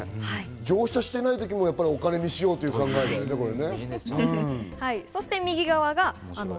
乗車していない時もお金にしようという考えだよね。